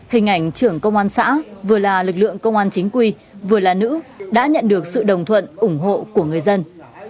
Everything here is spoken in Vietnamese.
hình ảnh trưởng công an xã vừa là lực lượng công an chính quy vừa là nữ đã nhận được sự đồng thuận ủng hộ của người dân